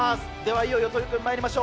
いよいよ取組まいりましょう。